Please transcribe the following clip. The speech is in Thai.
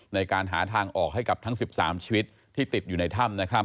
ในการหาทางออกให้กับทั้ง๑๓ชีวิตที่ติดอยู่ในถ้ำ